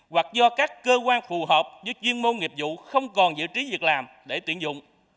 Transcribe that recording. hoặc do các cơ quan phù hợp với chuyên môn nghiệp vụ không còn giữ trí việc làm để tuyển dụng